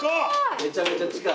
めちゃめちゃ近い。